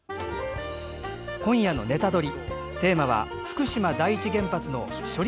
今夜の「ネタドリ！」、テーマは福島第一原発の処理